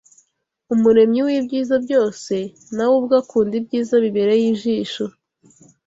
Umuremyi w’ibyiza byose, na we ubwe akunda ibyiza bibereye ijisho